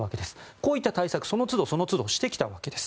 こういった対策その都度、してきたわけです。